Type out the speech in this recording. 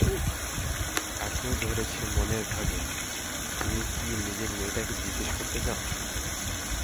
তাকেও ধরেছে মনের বাঘে তুমি কি নিজে মেয়েটাকে জিজ্ঞেস করতে চাও?